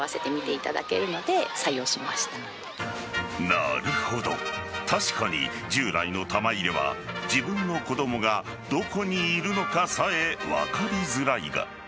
なるほど確かに従来の玉入れは自分の子供がどこにいるのかさえ分かりづらいが。